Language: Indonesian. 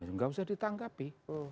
enggak usah ditanggapi